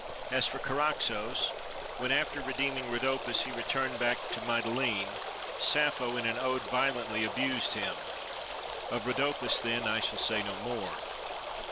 As for Charaxos, when after redeeming Rhodopis he returned back to Mytilene, Sappho in an ode violently abused him. Of Rhodopis then I shall say no more.